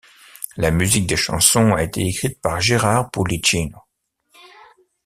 La musique des chansons a été écrite par Gérard Pullicino.